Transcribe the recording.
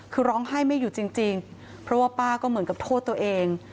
คือร้องไห้ไม่หยุดจริงเพราะว่าป้าก็เหมือนกับโทษตัวเอง